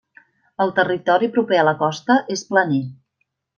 El territori proper a la costa és planer.